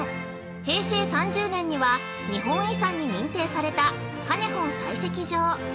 平成３０年には日本遺産に認定されたカネホン採石場。